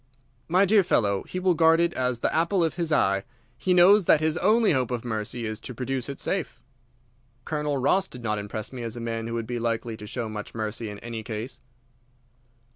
"My dear fellow, he will guard it as the apple of his eye. He knows that his only hope of mercy is to produce it safe." "Colonel Ross did not impress me as a man who would be likely to show much mercy in any case."